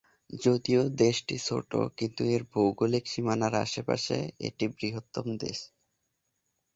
যদিও দেশটি ছোট, কিন্তু এর ভৌগোলিক সীমানার আশেপাশে এটি বৃহত্তম দেশ।